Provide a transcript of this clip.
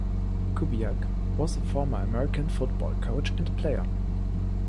Kubiak also was a former American football coach and player.